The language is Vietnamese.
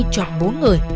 cho bốn người